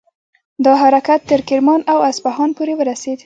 دا حرکت تر کرمان او اصفهان پورې ورسید.